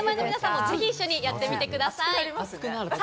テレビの前の皆さんもぜひ一緒にやってみてください！